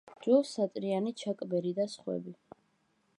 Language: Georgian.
ჯო სატრიანი, ჩაკ ბერი და სხვები.